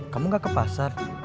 kamu gak ke pasar